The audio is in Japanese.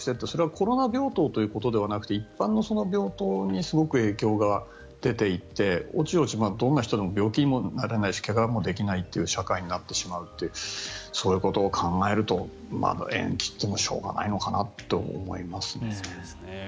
それはコロナ病棟ということではなく一般の病棟にすごく影響が出ていておちおちどんな人でも病気になれないし怪我もできない社会になってしまうってそういうことを考えると延期をしてもしょうがないのかなと思います。